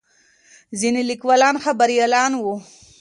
ځینې لیکوالان خبریالان وو.